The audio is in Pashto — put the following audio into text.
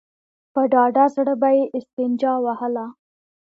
په ډاډه زړه به يې استنجا وهله.